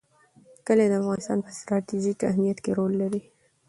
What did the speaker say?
کلي د افغانستان په ستراتیژیک اهمیت کې رول لري.